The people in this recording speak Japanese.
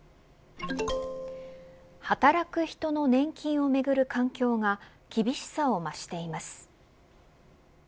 働く人の年金をめぐる環境が厳しさを増しています。